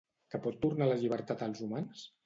Que pot tornar la llibertat als humans?